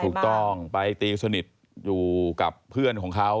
ถูกต้องไปตีสนิทอยู่กับเพื่อนของเขา